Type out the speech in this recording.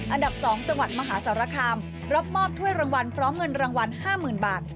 อันดับสองจังหวัดมหาสารคามรับมอบท่วยรางวัลพร้อมเงินรางวัลห้ามหมื่นบาท